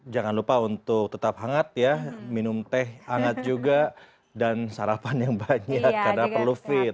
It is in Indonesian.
jangan lupa untuk tetap hangat ya minum teh hangat juga dan sarapan yang banyak karena perlu fit